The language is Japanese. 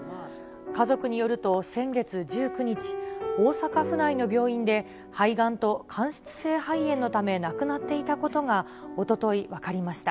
家族によると、先月１９日、大阪府内の病院で肺がんと間質性肺炎のため亡くなっていたことがおととい分かりました。